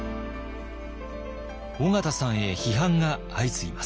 緒方さんへ批判が相次ぎます。